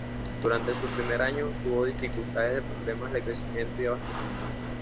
Durante su primer año, tuvo dificultades de problemas de crecimiento y abastecimiento.